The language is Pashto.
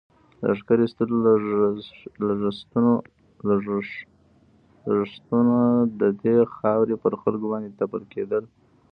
د لښکر ایستلو لږښتونه د دې خاورې پر خلکو باندې تپل کېدل.